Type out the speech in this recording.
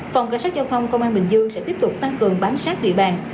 phòng cảnh sát giao thông công an bình dương sẽ tiếp tục tăng cường bám sát địa bàn